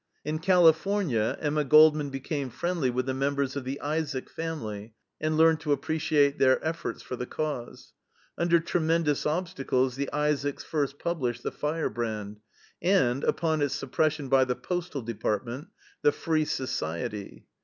In California Emma Goldman became friendly with the members of the Isaak family, and learned to appreciate their efforts for the Cause. Under tremendous obstacles the Isaaks first published the FIREBRAND and, upon its suppression by the Postal Department, the FREE SOCIETY.